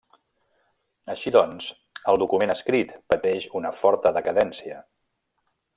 Així doncs, el document escrit pateix una forta decadència.